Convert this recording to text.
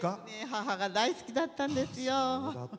母が大好きだったんですよ。